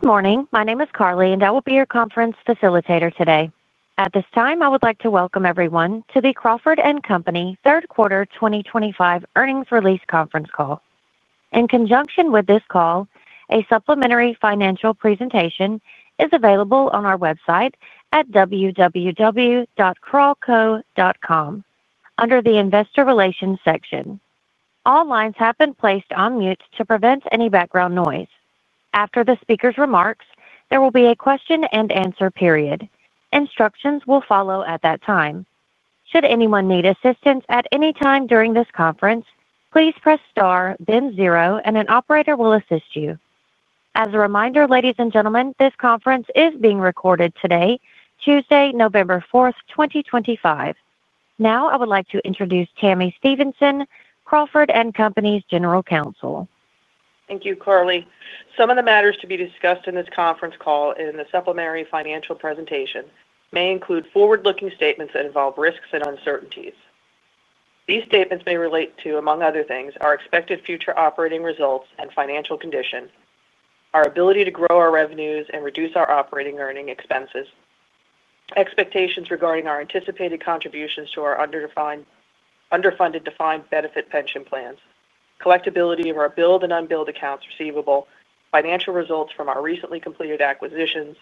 Good morning. My name is Carly, and I will be your conference facilitator today. At this time, I would like to welcome everyone to the Crawford & Company third quarter 2025 earnings release conference call. In conjunction with this call, a supplementary financial presentation is available on our website at www.crawco.com under the Investor Relations section. All lines have been placed on mute to prevent any background noise. After the speaker's remarks, there will be a question and answer period. Instructions will follow at that time. Should anyone need assistance at any time during this conference, please press star, then zero, and an operator will assist you. As a reminder, ladies and gentlemen, this conference is being recorded today, Tuesday, November 4th, 2025. Now, I would like to introduce Tami Stevenson, Crawford & Company's General Counsel. Thank you, Carly. Some of the matters to be discussed in this conference call and the supplementary financial presentation may include forward-looking statements that involve risks and uncertainties. These statements may relate to, among other things, our expected future operating results and financial condition, our ability to grow our revenues and reduce our operating earning expenses. Expectations regarding our anticipated contributions to our underfunded defined benefit pension plans, collectibility of our billed and unbilled accounts receivable, financial results from our recently completed acquisitions,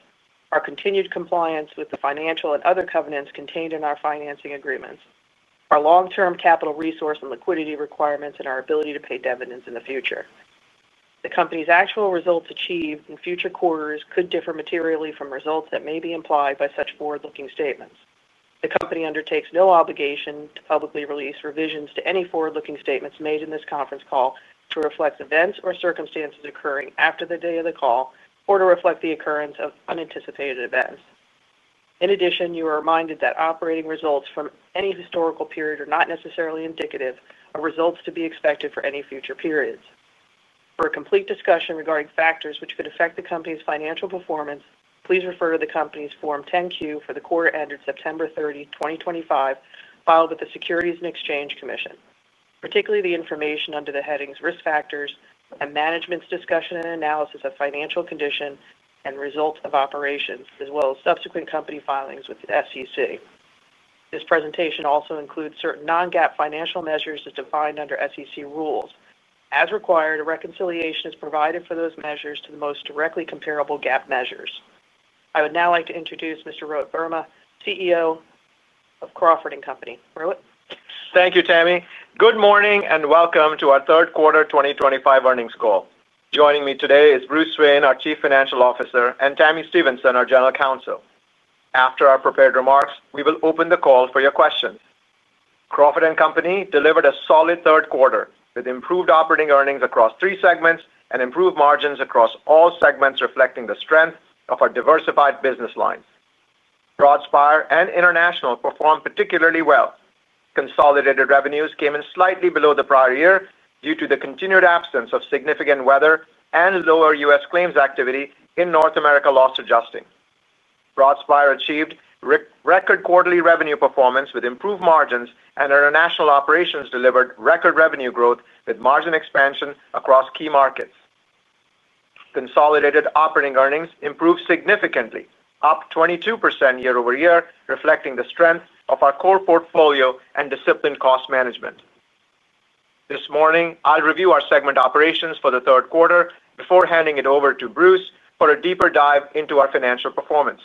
our continued compliance with the financial and other covenants contained in our financing agreements, our long-term capital resource and liquidity requirements, and our ability to pay dividends in the future. The company's actual results achieved in future quarters could differ materially from results that may be implied by such forward-looking statements. The company undertakes no obligation to publicly release revisions to any forward-looking statements made in this conference call to reflect events or circumstances occurring after the day of the call or to reflect the occurrence of unanticipated events. In addition, you are reminded that operating results from any historical period are not necessarily indicative of results to be expected for any future periods. For a complete discussion regarding factors which could affect the company's financial performance, please refer to the company's Form 10-Q for the quarter ended September 30, 2025, filed with the Securities and Exchange Commission, particularly the information under the headings Risk Factors and Management's Discussion and Analysis of Financial Condition and Results of Operations, as well as subsequent company filings with the SEC. This presentation also includes certain non-GAAP financial measures as defined under SEC rules. As required, a reconciliation is provided for those measures to the most directly comparable GAAP measures. I would now like to introduce Mr. Rohit Verma, CEO of Crawford & Company. Rohit. Thank you, Tami. Good morning and welcome to our third quarter 2025 earnings call. Joining me today is Bruce Swain, our Chief Financial Officer, and Tami Stevenson, our General Counsel. After our prepared remarks, we will open the call for your questions. Crawford & Company delivered a solid third quarter with improved operating earnings across three segments and improved margins across all segments, reflecting the strength of our diversified business lines. Broadspire and International performed particularly well. Consolidated revenues came in slightly below the prior year due to the continued absence of significant weather and lower U.S. claims activity in North America loss adjusting. Broadspire achieved record quarterly revenue performance with improved margins, and our International operations delivered record revenue growth with margin expansion across key markets. Consolidated operating earnings improved significantly, up 22% year over year, reflecting the strength of our core portfolio and disciplined cost management. This morning, I'll review our segment operations for the third quarter before handing it over to Bruce for a deeper dive into our financial performance.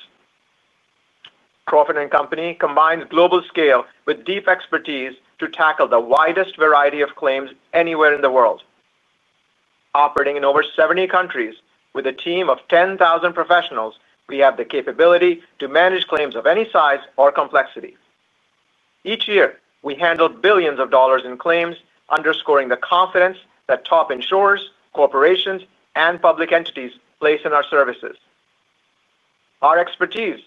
Crawford & Company combines global scale with deep expertise to tackle the widest variety of claims anywhere in the world. Operating in over 70 countries with a team of 10,000 professionals, we have the capability to manage claims of any size or complexity. Each year, we handle billions of dollars in claims, underscoring the confidence that top insurers, corporations, and public entities place in our services. Our expertise,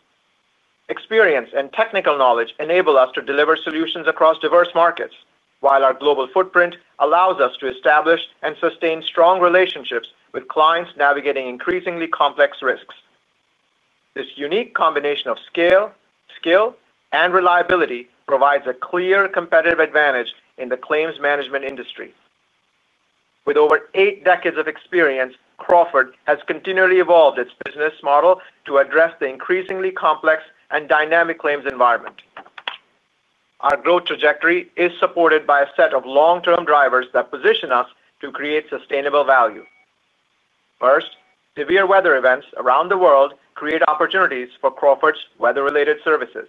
experience, and technical knowledge enable us to deliver solutions across diverse markets, while our global footprint allows us to establish and sustain strong relationships with clients navigating increasingly complex risks. This unique combination of scale, skill, and reliability provides a clear competitive advantage in the claims management industry. With over eight decades of experience, Crawford has continually evolved its business model to address the increasingly complex and dynamic claims environment. Our growth trajectory is supported by a set of long-term drivers that position us to create sustainable value. First, severe weather events around the world create opportunities for Crawford's weather-related services.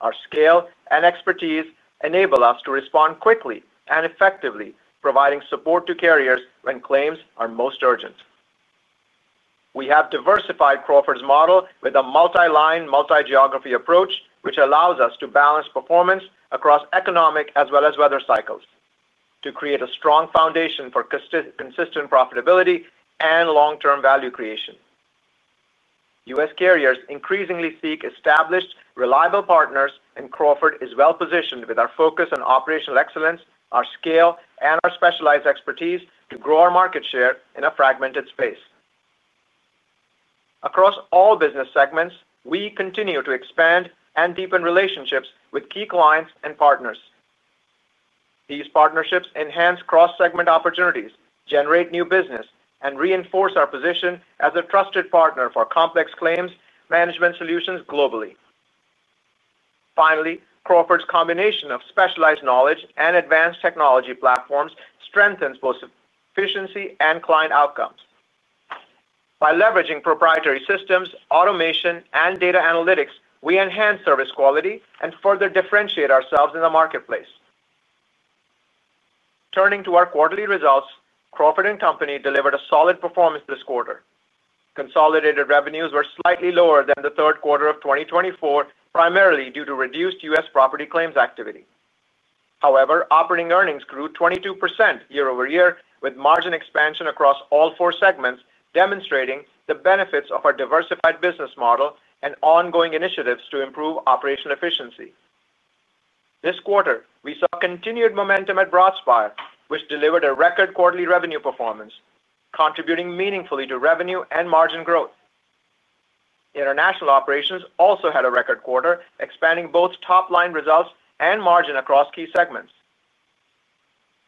Our scale and expertise enable us to respond quickly and effectively, providing support to carriers when claims are most urgent. We have diversified Crawford's model with a multi-line, multi-geography approach, which allows us to balance performance across economic as well as weather cycles to create a strong foundation for consistent profitability and long-term value creation. U.S. carriers increasingly seek established, reliable partners, and Crawford is well-positioned with our focus on operational excellence, our scale, and our specialized expertise to grow our market share in a fragmented space. Across all business segments, we continue to expand and deepen relationships with key clients and partners. These partnerships enhance cross-segment opportunities, generate new business, and reinforce our position as a trusted partner for complex claims management solutions globally. Finally, Crawford's combination of specialized knowledge and advanced technology platforms strengthens both efficiency and client outcomes. By leveraging proprietary systems, automation, and data analytics, we enhance service quality and further differentiate ourselves in the marketplace. Turning to our quarterly results, Crawford & Company delivered a solid performance this quarter. Consolidated revenues were slightly lower than the third quarter of 2024, primarily due to reduced U.S. property claims activity. However, operating earnings grew 22% year over year, with margin expansion across all four segments demonstrating the benefits of our diversified business model and ongoing initiatives to improve operational efficiency. This quarter, we saw continued momentum at Broadspire, which delivered a record quarterly revenue performance, contributing meaningfully to revenue and margin growth. International operations also had a record quarter, expanding both top-line results and margin across key segments.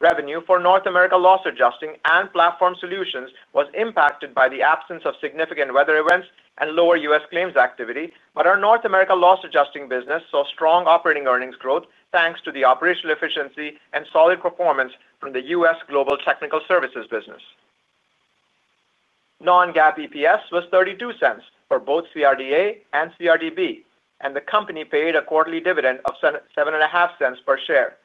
Revenue for North America loss adjusting and Platform Solutions was impacted by the absence of significant weather events and lower U.S. claims activity, but our North America loss adjusting business saw strong operating earnings growth thanks to the operational efficiency and solid performance from the U.S. Global Technical Services business. Non-GAAP EPS was $0.32 for both CRDA and CRDB, and the company paid a quarterly dividend of $0.075 per share.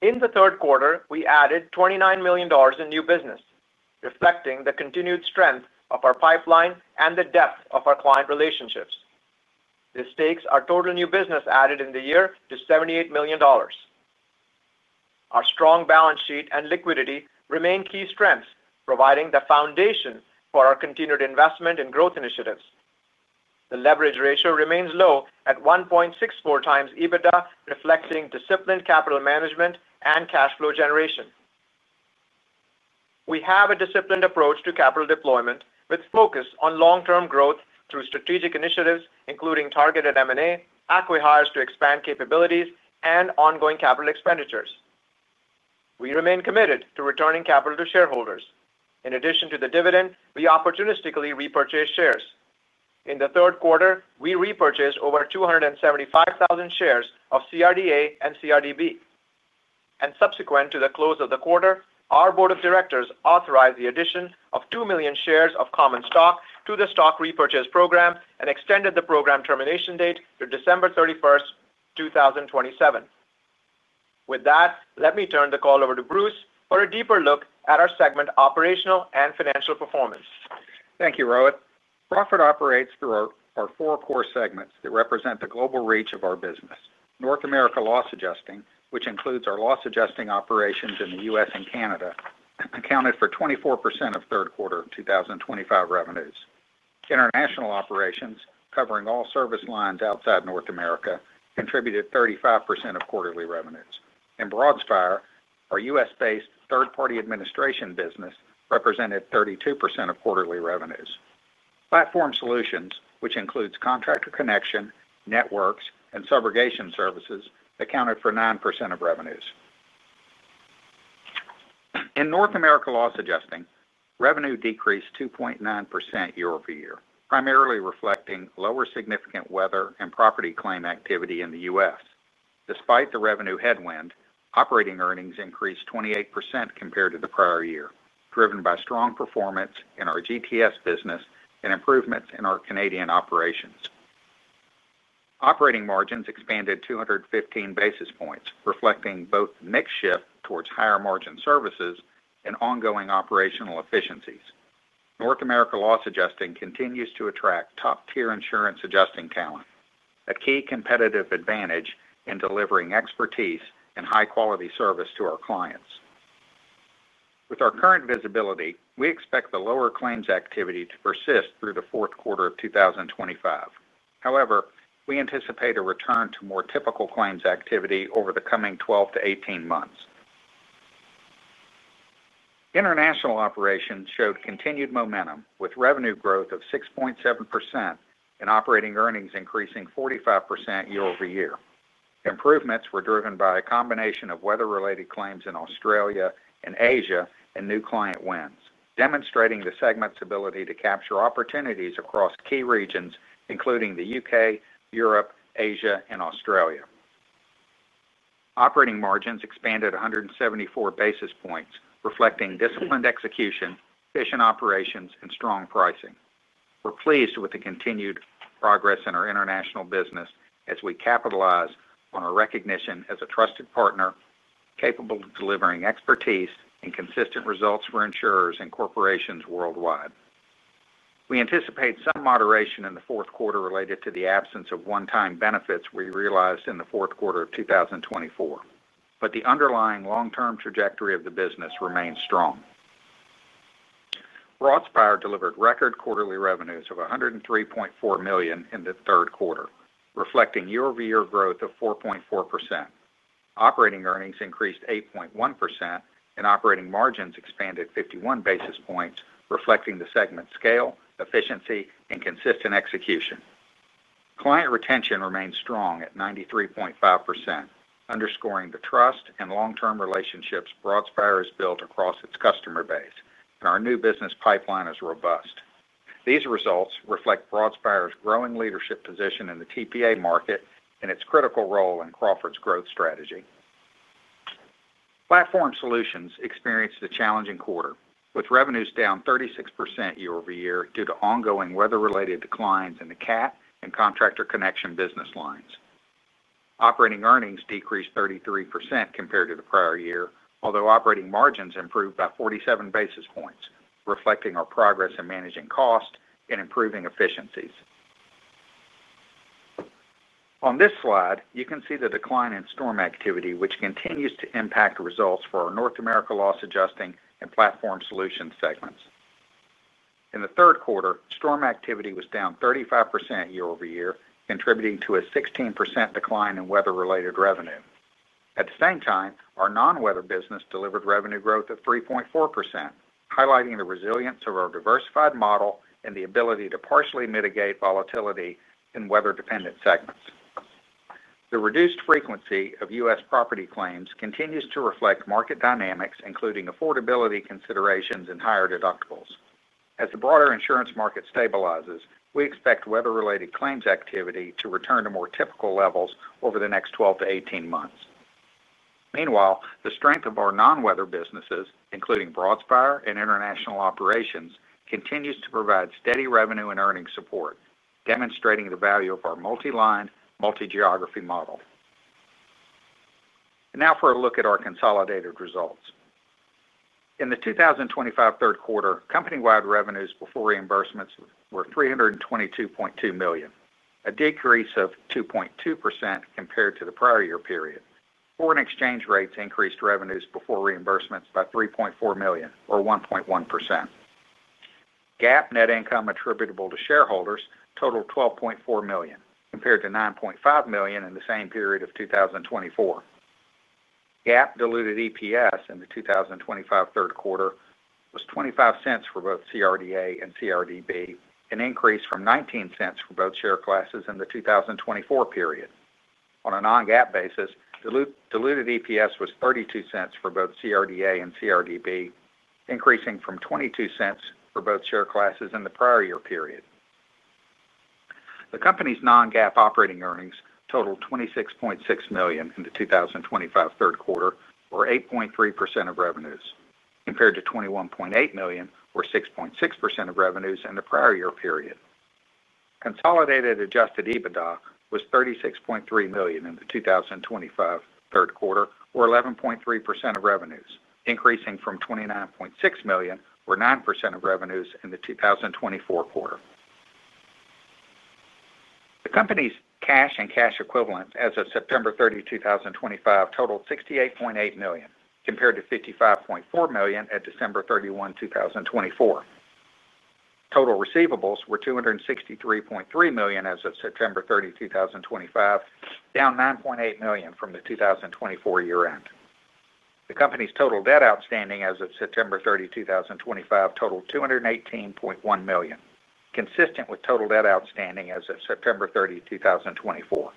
In the third quarter, we added $29 million in new business, reflecting the continued strength of our pipeline and the depth of our client relationships. This takes our total new business added in the year to $78 million. Our strong balance sheet and liquidity remain key strengths, providing the foundation for our continued investment and growth initiatives. The leverage ratio remains low at 1.64 times EBITDA, reflecting disciplined capital management and cash flow generation. We have a disciplined approach to capital deployment with focus on long-term growth through strategic initiatives, including targeted M&A, acquisitions to expand capabilities, and ongoing capital expenditures. We remain committed to returning capital to shareholders. In addition to the dividend, we opportunistically repurchase shares. In the third quarter, we repurchased over 275,000 shares of CRDA and CRDB. Subsequent to the close of the quarter, our Board of Directors authorized the addition of two million shares of common stock to the stock repurchase program and extended the program termination date to December 31st, 2027. With that, let me turn the call over to Bruce for a deeper look at our segment operational and financial performance. Thank you, Rohit. Crawford operates through our four core segments that represent the global reach of our business. North America loss adjusting, which includes our loss adjusting operations in the U.S. and Canada, accounted for 24% of third quarter 2025 revenues. International operations, covering all service lines outside North America, contributed 35% of quarterly revenues. In Broadspire, our U.S.-based third-party administration business represented 32% of quarterly revenues. Platform Solutions, which include Contractor Connection, networks, and subrogation services, accounted for 9% of revenues. In North America loss adjusting, revenue decreased 2.9% year over year, primarily reflecting lower significant weather and property claim activity in the U.S. Despite the revenue headwind, operating earnings increased 28% compared to the prior year, driven by strong performance in our Global Technical Services business and improvements in our Canadian operations. Operating margins expanded 215 basis points, reflecting both mixed shift towards higher margin services and ongoing operational efficiencies. North America loss adjusting continues to attract top-tier insurance adjusting talent, a key competitive advantage in delivering expertise and high-quality service to our clients. With our current visibility, we expect the lower claims activity to persist through the fourth quarter of 2025. However, we anticipate a return to more typical claims activity over the coming 12-18 months. International operations showed continued momentum, with revenue growth of 6.7% and operating earnings increasing 45% year over year. Improvements were driven by a combination of weather-related claims in Australia and Asia and new client wins, demonstrating the segment's ability to capture opportunities across key regions, including the United Kingdom, Europe, Asia, and Australia. Operating margins expanded 174 basis points, reflecting disciplined execution, efficient operations, and strong pricing. We're pleased with the continued progress in our international business as we capitalize on our recognition as a trusted partner, capable of delivering expertise and consistent results for insurers and corporations worldwide. We anticipate some moderation in the fourth quarter related to the absence of one-time benefits we realized in the fourth quarter of 2024, but the underlying long-term trajectory of the business remains strong. Broadspire delivered record quarterly revenues of $103.4 million in the third quarter, reflecting year-over-year growth of 4.4%. Operating earnings increased 8.1%, and operating margins expanded 51 basis points, reflecting the segment's scale, efficiency, and consistent execution. Client retention remains strong at 93.5%, underscoring the trust and long-term relationships Broadspire has built across its customer base, and our new business pipeline is robust. These results reflect Broadspire's growing leadership position in the TPA market and its critical role in Crawford's growth strategy. Platform Solutions experienced a challenging quarter, with revenues down 36% year-over-year due to ongoing weather-related declines in the CAT and Contractor Connection business lines. Operating earnings decreased 33% compared to the prior year, although operating margins improved by 47 basis points, reflecting our progress in managing costs and improving efficiencies. On this slide, you can see the decline in storm activity, which continues to impact results for our North America loss adjusting and Platform Solutions segments. In the third quarter, storm activity was down 35% year-over-year, contributing to a 16% decline in weather-related revenue. At the same time, our non-weather business delivered revenue growth of 3.4%, highlighting the resilience of our diversified model and the ability to partially mitigate volatility in weather-dependent segments. The reduced frequency of U.S. property claims continues to reflect market dynamics, including affordability considerations and higher deductibles. As the broader insurance market stabilizes, we expect weather-related claims activity to return to more typical levels over the next 12 to 18 months. Meanwhile, the strength of our non-weather businesses, including Broadspire and International Operations, continues to provide steady revenue and earnings support, demonstrating the value of our multi-line, multi-geography model. Now for a look at our consolidated results. In the 2025 third quarter, company-wide revenues before reimbursements were $322.2 million, a decrease of 2.2% compared to the prior year period. Foreign exchange rates increased revenues before reimbursements by $3.4 million, or 1.1%. GAAP net income attributable to shareholders totaled $12.4 million, compared to $9.5 million in the same period of 2024. GAAP diluted EPS in the 2025 third quarter was $0.25 for both CRDA and CRDB, an increase from $0.19 for both share classes in the 2024 period. On a non-GAAP basis, diluted EPS was $0.32 for both CRDA and CRDB, increasing from $0.22 for both share classes in the prior year period. The company's non-GAAP operating earnings totaled $26.6 million in the 2025 third quarter, or 8.3% of revenues, compared to $21.8 million, or 6.6% of revenues in the prior year period. Consolidated Adjusted EBITDA was $36.3 million in the 2025 third quarter, or 11.3% of revenues, increasing from $29.6 million, or 9% of revenues in the 2024 quarter. The company's cash and cash equivalents as of September 30, 2025, totaled $68.8 million, compared to $55.4 million at December 31, 2024. Total receivables were $263.3 million as of September 30, 2025, down $9.8 million from the 2024 year-end. The company's total debt outstanding as of September 30, 2025, totaled $218.1 million, consistent with total debt outstanding as of September 30, 2024.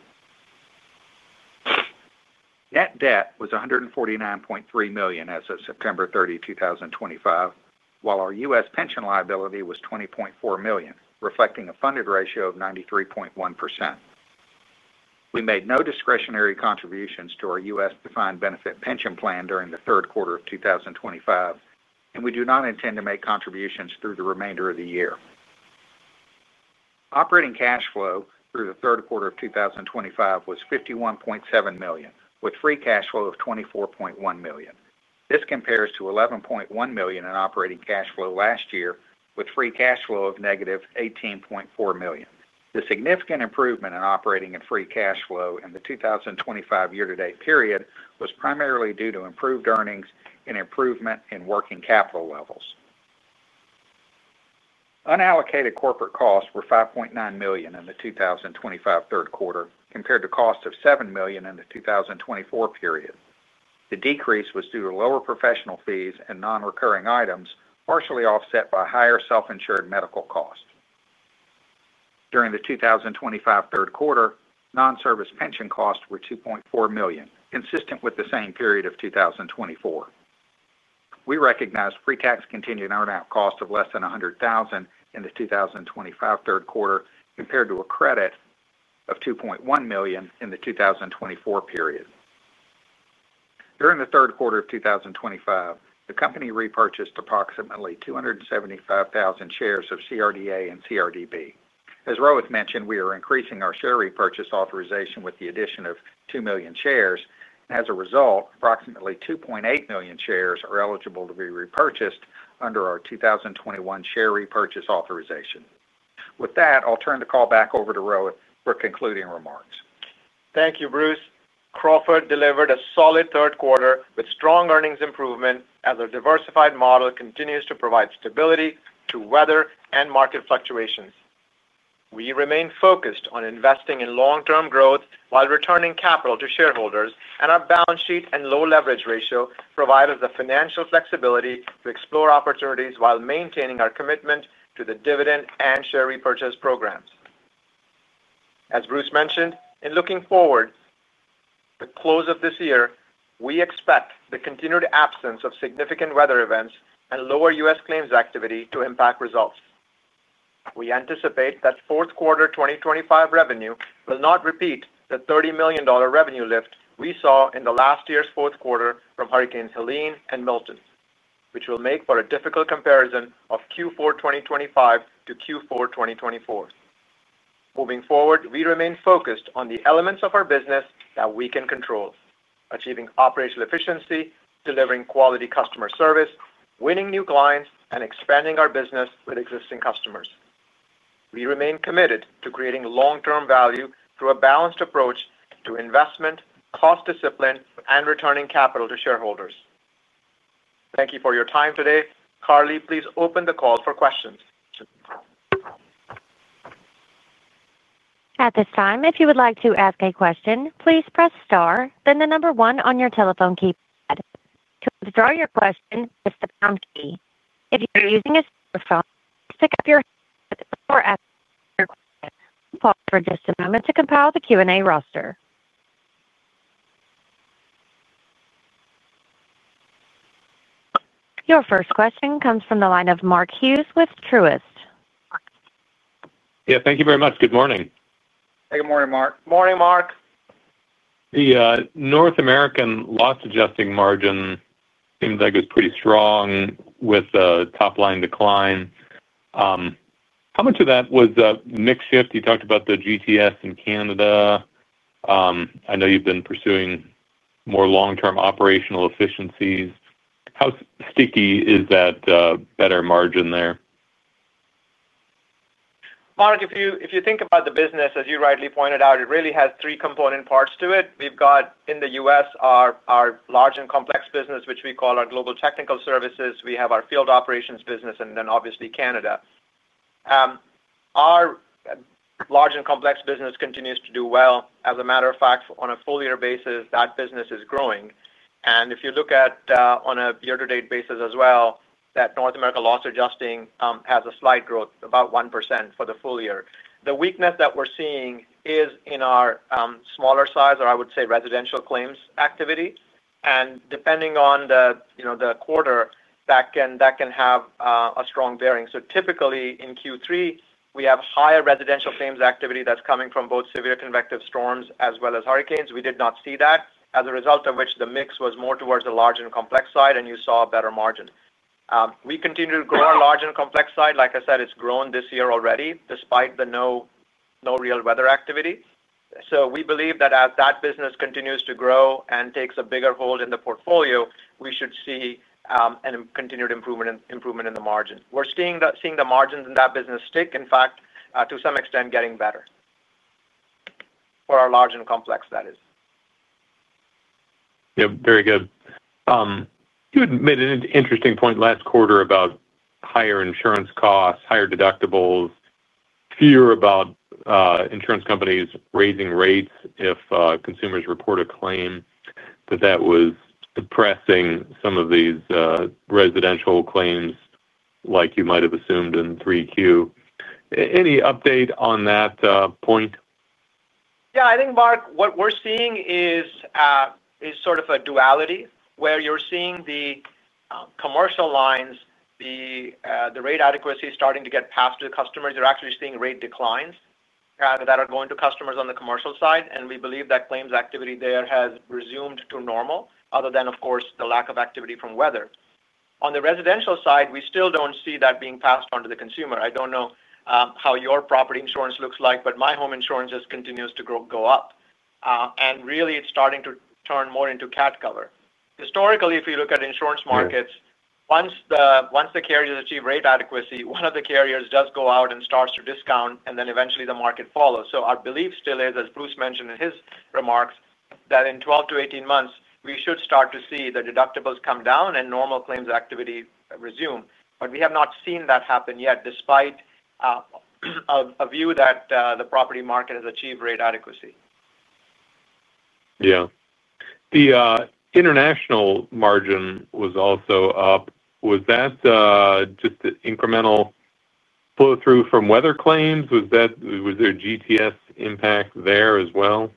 Net debt was $149.3 million as of September 30, 2025, while our U.S. pension liability was $20.4 million, reflecting a funded ratio of 93.1%. We made no discretionary contributions to our U.S. defined benefit pension plan during the third quarter of 2025, and we do not intend to make contributions through the remainder of the year. Operating cash flow through the third quarter of 2025 was $51.7 million, with free cash flow of $24.1 million. This compares to $11.1 million in operating cash flow last year, with free cash flow of negative $18.4 million. The significant improvement in operating and free cash flow in the 2025 year-to-date period was primarily due to improved earnings and improvement in working capital levels. Unallocated corporate costs were $5.9 million in the 2025 third quarter, compared to costs of $7 million in the 2024 period. The decrease was due to lower professional fees and non-recurring items, partially offset by higher self-insured medical costs. During the 2025 third quarter, non-service pension costs were $2.4 million, consistent with the same period of 2024. We recognized pre-tax contingent earnout cost of less than $100,000 in the 2025 third quarter, compared to a credit of $2.1 million in the 2024 period. During the third quarter of 2025, the company repurchased approximately 275,000 shares of CRDA and CRDB. As Rohit mentioned, we are increasing our share repurchase authorization with the addition of two million shares, and as a result, approximately 2.8 million shares are eligible to be repurchased under our 2021 share repurchase authorization. With that, I'll turn the call back over to Rohit for concluding remarks. Thank you, Bruce. Crawford delivered a solid third quarter with strong earnings improvement as our diversified model continues to provide stability to weather and market fluctuations. We remain focused on investing in long-term growth while returning capital to shareholders, and our balance sheet and low leverage ratio provide us the financial flexibility to explore opportunities while maintaining our commitment to the dividend and share repurchase programs. As Bruce mentioned, in looking forward to the close of this year, we expect the continued absence of significant weather events and lower U.S. claims activity to impact results. We anticipate that fourth quarter 2024 revenue will not repeat the $30 million revenue lift we saw in the last year's fourth quarter from Hurricanes Helene and Milton, which will make for a difficult comparison of Q4 2024 to Q4 2023. Moving forward, we remain focused on the elements of our business that we can control, achieving operational efficiency, delivering quality customer service, winning new clients, and expanding our business with existing customers. We remain committed to creating long-term value through a balanced approach to investment, cost discipline, and returning capital to shareholders. Thank you for your time today. Carly, please open the call for questions. At this time, if you would like to ask a question, please press star, then the number one on your telephone keypad. To withdraw your question, press the pound key. If you're using a smartphone, please pick up your hand and press four after your question. Please pause for just a moment to compile the Q&A roster. Your first question comes from the line of Mark Hughes with Truist. Yeah, thank you very much. Good morning. Hey, good morning, Mark. Morning, Mark. The North American loss adjusting margin seemed like it was pretty strong with a top-line decline. How much of that was a mixed shift? You talked about the GTS in Canada. I know you've been pursuing more long-term operational efficiencies. How sticky is that better margin there? Mark, if you think about the business, as you rightly pointed out, it really has three component parts to it. We've got, in the U.S., our large and complex business, which we call our Global Technical Services. We have our field operations business, and then obviously Canada. Our large and complex business continues to do well. As a matter of fact, on a full-year basis, that business is growing. If you look at, on a year-to-date basis as well, that North America loss adjusting has a slight growth, about 1% for the full year. The weakness that we're seeing is in our smaller size, or I would say residential claims activity. Depending on the quarter, that can have a strong bearing. So typically, in Q3, we have higher residential claims activity that's coming from both severe convective storms as well as hurricanes. We did not see that, as a result of which the mix was more towards the large and complex side, and you saw a better margin. We continue to grow our large and complex side. Like I said, it's grown this year already, despite the no real weather activity. So we believe that as that business continues to grow and takes a bigger hold in the portfolio, we should see a continued improvement in the margin. We're seeing the margins in that business stick, in fact, to some extent getting better. For our large and complex, that is. Yeah, very good. You had made an interesting point last quarter about higher insurance costs, higher deductibles. Fear about insurance companies raising rates if consumers report a claim, that that was suppressing some of these residential claims, like you might have assumed in 3Q. Any update on that point? Yeah, I think, Mark, what we're seeing is sort of a duality where you're seeing the commercial lines, the rate adequacy starting to get passed to the customers. You're actually seeing rate declines that are going to customers on the commercial side, and we believe that claims activity there has resumed to normal, other than, of course, the lack of activity from weather. On the residential side, we still don't see that being passed on to the consumer. I don't know how your property insurance looks like, but my home insurance just continues to go up. And really, it's starting to turn more into CAT cover. Historically, if you look at insurance markets, once the carriers achieve rate adequacy, one of the carriers does go out and starts to discount, and then eventually the market follows. So our belief still is, as Bruce mentioned in his remarks, that in 12 to 18 months, we should start to see the deductibles come down and normal claims activity resume. But we have not seen that happen yet, despite a view that the property market has achieved rate adequacy. Yeah. The international margin was also up. Was that just an incremental flow-through from weather claims? Was there GTS impact there as well?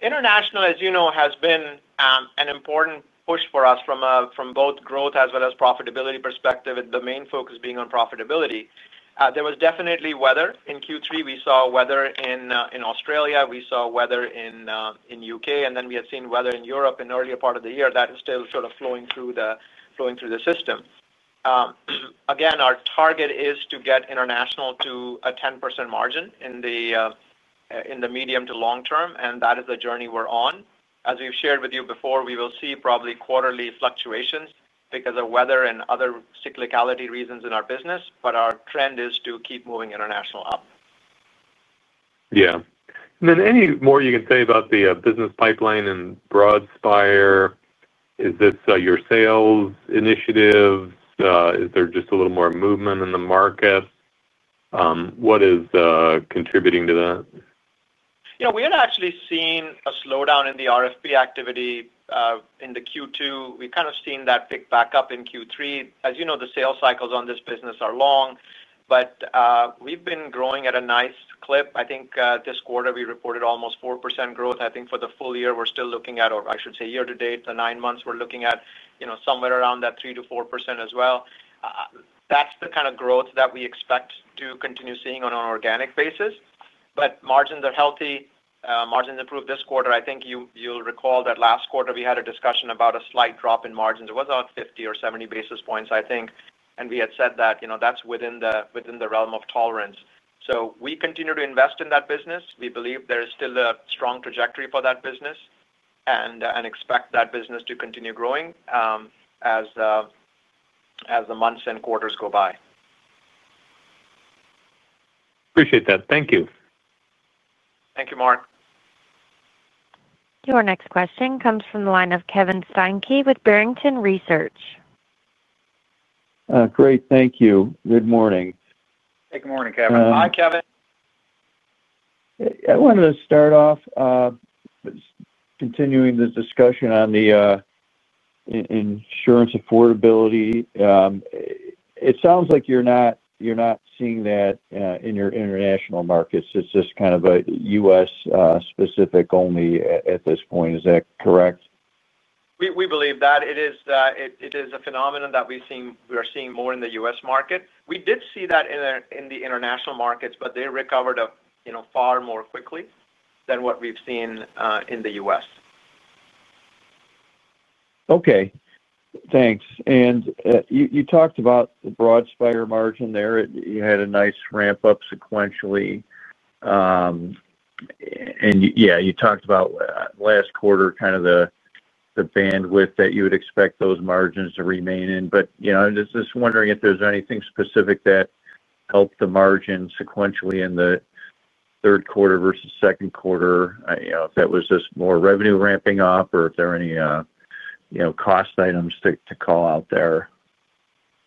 International, as you know, has been an important push for us from both growth as well as profitability perspective, with the main focus being on profitability. There was definitely weather in Q3. We saw weather in Australia. We saw weather in the U.K. Then we had seen weather in Europe in the earlier part of the year. That is still sort of flowing through the system. Again, our target is to get international to a 10% margin in the medium to long term, and that is the journey we're on. As we've shared with you before, we will see probably quarterly fluctuations because of weather and other cyclicality reasons in our business, but our trend is to keep moving international up. Yeah. And then any more you can say about the business pipeline and Broadspire? Is this your sales initiative? Is there just a little more movement in the market? What is contributing to that? Yeah, we're actually seeing a slowdown in the RFP activity in Q2. We've kind of seen that pick back up in Q3. As you know, the sales cycles on this business are long, but we've been growing at a nice clip. I think this quarter we reported almost 4% growth. I think for the full year, we're still looking at, or I should say year-to-date, the nine months, we're looking at somewhere around that 3%-4% as well. That's the kind of growth that we expect to continue seeing on an organic basis. Margins are healthy. Margins improved this quarter. I think you'll recall that last quarter we had a discussion about a slight drop in margins. It was about 50 or 70 basis points, I think, and we had said that that's within the realm of tolerance. We continue to invest in that business. We believe there is still a strong trajectory for that business and expect that business to continue growing as the months and quarters go by. Appreciate that. Thank you. Thank you, Mark. Your next question comes from the line of Kevin Steinke with Barrington Research. Great. Thank you. Good morning. Hey, good morning, Kevin. Hi, Kevin. I wanted to start off continuing the discussion on the insurance affordability. It sounds like you're not seeing that in your international markets. It's just kind of a U.S. specific only at this point. Is that correct? We believe that it is a phenomenon that we're seeing more in the U.S. market. We did see that in the international markets, but they recovered far more quickly than what we've seen in the U.S. Okay. Thanks. You talked about the Broadspire margin there. You had a nice ramp-up sequentially. Yeah, you talked about last quarter kind of the bandwidth that you would expect those margins to remain in. I'm just wondering if there's anything specific that helped the margin sequentially in the third quarter versus second quarter, if that was just more revenue ramping up, or if there are any cost items to call out there.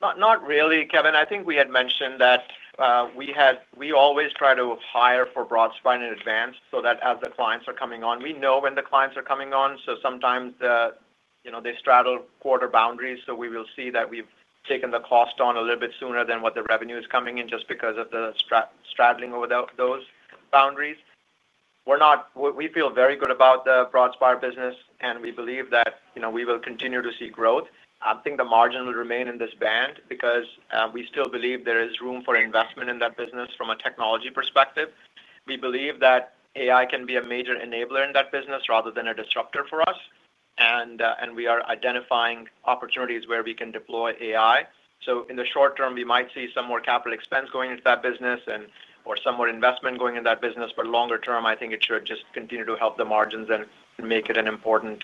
Not really, Kevin. I think we had mentioned that we always try to hire for Broadspire in advance so that as the clients are coming on, we know when the clients are coming on. So sometimes they straddle quarter boundaries, so we will see that we've taken the cost on a little bit sooner than what the revenue is coming in just because of the straddling over those boundaries. We feel very good about the Broadspire business, and we believe that we will continue to see growth. I think the margin will remain in this band because we still believe there is room for investment in that business from a technology perspective. We believe that AI can be a major enabler in that business rather than a disruptor for us. We are identifying opportunities where we can deploy AI. So in the short term, we might see some more capital expense going into that business or some more investment going into that business. But longer term, I think it should just continue to help the margins and make it an important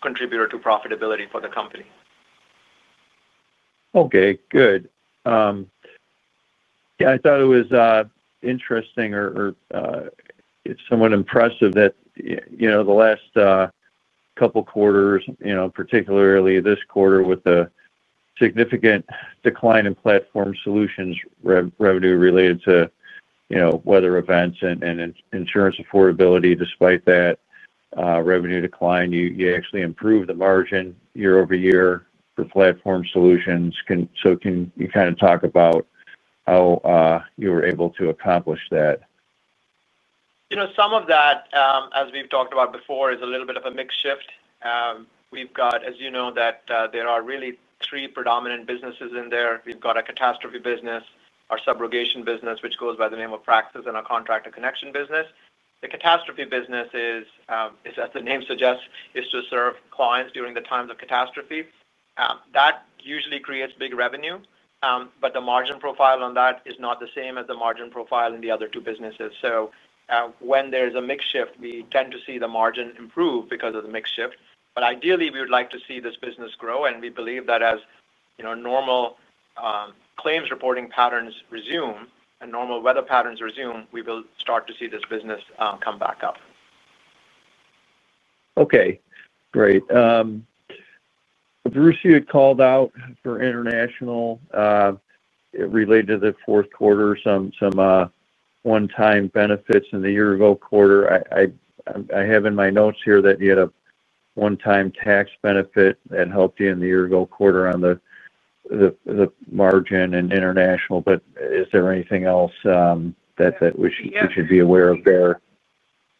contributor to profitability for the company. Okay. Good. Yeah, I thought it was interesting or somewhat impressive that the last couple of quarters, particularly this quarter with a significant decline in Platform Solutions revenue related to weather events and insurance affordability. Despite that revenue decline, you actually improved the margin year over year for Platform Solutions. So can you kind of talk about how you were able to accomplish that? Some of that, as we've talked about before, is a little bit of a mixed shift. We've got, as you know, that there are really three predominant businesses in there. We've got a catastrophe business, our subrogation business, which goes by the name of Praxis, and our Contractor Connection business. The catastrophe business is, as the name suggests, is to serve clients during the times of catastrophe. That usually creates big revenue, but the margin profile on that is not the same as the margin profile in the other two businesses. So when there is a mixed shift, we tend to see the margin improve because of the mixed shift. But ideally, we would like to see this business grow. We believe that as normal claims reporting patterns resume and normal weather patterns resume, we will start to see this business come back up. Okay. Great. Bruce had called out for International. Related to the fourth quarter, some one-time benefits in the year-ago quarter. I have in my notes here that you had a one-time tax benefit that helped you in the year-ago quarter on the margin and international. Is there anything else that we should be aware of there?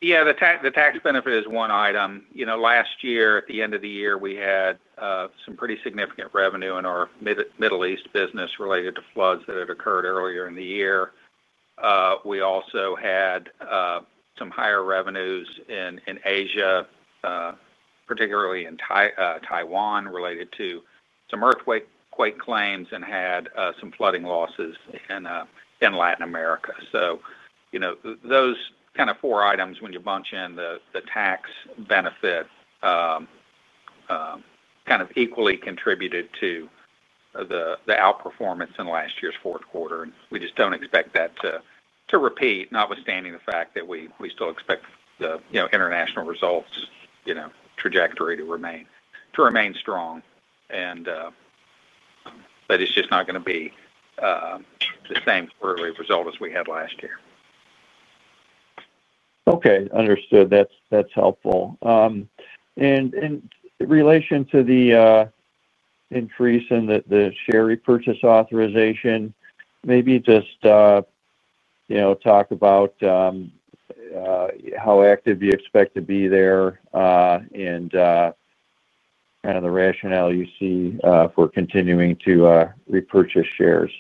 Yeah, the tax benefit is one item. Last year, at the end of the year, we had some pretty significant revenue in our Middle East business related to floods that had occurred earlier in the year. We also had some higher revenues in Asia. Particularly in Taiwan, related to some earthquake claims and had some flooding losses in Latin America. Those kind of four items, when you bunch in the tax benefit, kind of equally contributed to the outperformance in last year's fourth quarter. We just don't expect that to repeat, notwithstanding the fact that we still expect the international results trajectory to remain strong. It's just not going to be the same quarterly result as we had last year. Okay. Understood. That's helpful. In relation to the increase in the share repurchase authorization, maybe just talk about how active you expect to be there and kind of the rationale you see for continuing to repurchase shares.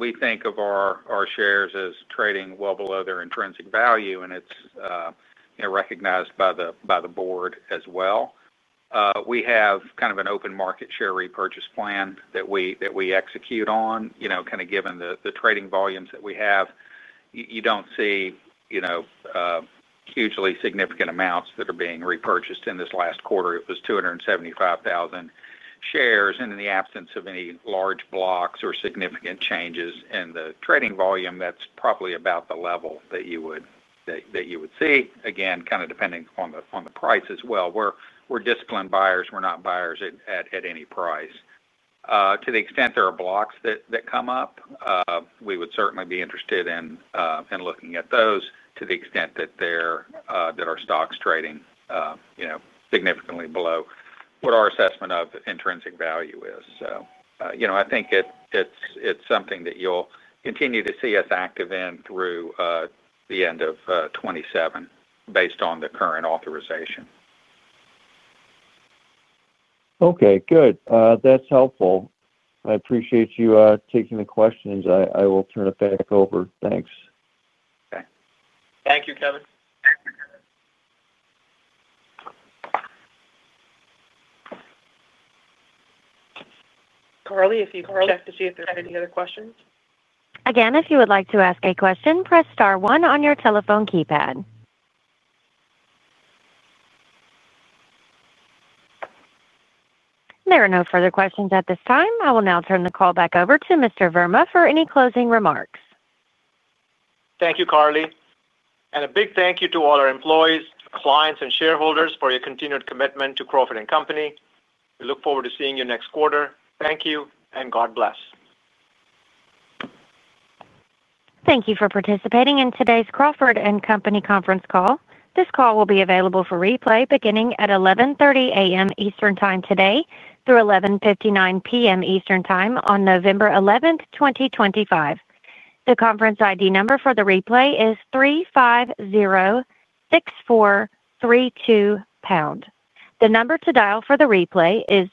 We think of our shares as trading well below their intrinsic value, and it's recognized by the board as well. We have kind of an open market share repurchase plan that we execute on. Kind of given the trading volumes that we have, you don't see hugely significant amounts that are being repurchased in this last quarter. It was 275,000 shares. And in the absence of any large blocks or significant changes in the trading volume, that's probably about the level that you would see. Again, kind of depending on the price as well. We're disciplined buyers. We're not buyers at any price. To the extent there are blocks that come up, we would certainly be interested in looking at those to the extent that our stock's trading significantly below what our assessment of intrinsic value is. I think it's something that you'll continue to see us active in through the end of 2027, based on the current authorization. Okay. Good. That's helpful. I appreciate you taking the questions. I will turn it back over. Thanks. Okay. Thank you, Kevin. Carly, if you'd like to see if there's any other questions. Again, if you would like to ask a question, press star one on your telephone keypad. There are no further questions at this time. I will now turn the call back over to Mr. Verma for any closing remarks. Thank you, Carly. A big thank you to all our employees, clients, and shareholders for your continued commitment to Crawford & Company. We look forward to seeing you next quarter. Thank you, and God bless. Thank you for participating in today's Crawford & Company conference call. This call will be available for replay beginning at 11:30 A.M. Eastern Time today through 11:59 P.M. Eastern Time on November 11th, 2025. The conference ID number for the replay is 3506432#. The number to dial for the replay is.